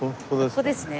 ここですね。